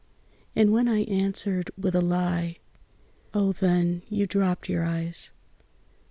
And when I answered with a lie. Oh then You dropped your eyes.